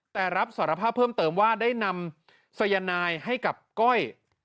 แต่รับสารภาพเพิ่มเติมว่าได้นำสายนายให้กับก้อย